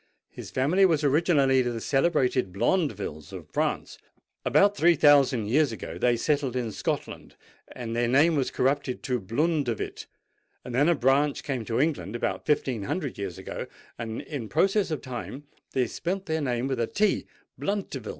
"His family was originally the celebrated Blondevilles of France: about three thousand years ago they settled in Scotland, and their name was corrupted to Blundevil;—then a branch came to England about fifteen hundred years ago, and in process of time they spelt their name with a t—Bluntevil.